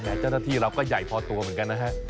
เจ้าหน้าที่เราก็ใหญ่พอตัวเหมือนกันนะฮะ